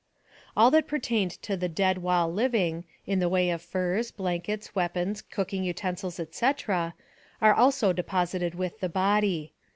All that pertained to the dead while living, in the way of furs, blankets, weapons, cooking utensils, etc., are also deposited with the body.